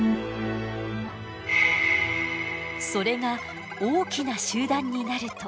それが大きな集団になると。